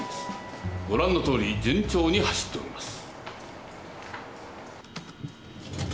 ご覧のとおり順調に走っております。